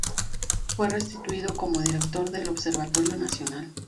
Fue restituido como Director del Observatorio Nacional.